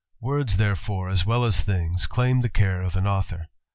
Words, therefore, as well as things, claim the care of a author.